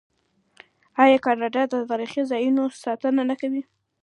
آیا کاناډا د تاریخي ځایونو ساتنه نه کوي؟